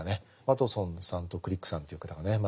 ワトソンさんとクリックさんという方がね